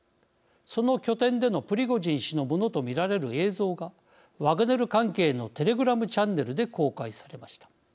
その拠点でのプリゴジン氏のものと見られる映像がワグネル関係のテレグラムチャンネルで公開されました。